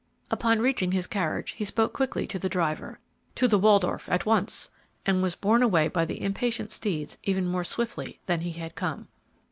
Upon reaching his carriage, he spoke quickly to the driver, "To the Waldorf at once!" and was borne away by the impatient steeds even more swiftly than he had come.